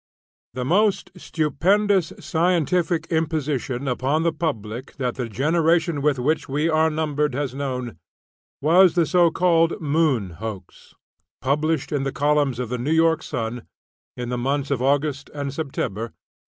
The most stupendous scientific imposition upon the public that the generation with which we are numbered has known, was the so called "Moon Hoax," published in the columns of the "New York Sun," in the months of August and September, 1835.